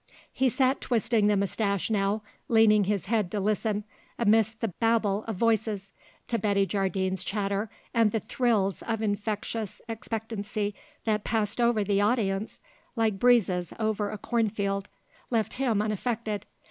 He sat twisting the moustache now, leaning his head to listen, amidst the babel of voices, to Betty Jardine's chatter, and the thrills of infectious expectancy that passed over the audience like breezes over a corn field left him unaffected.